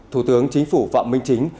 thủ tướng chính phủ phạm minh chính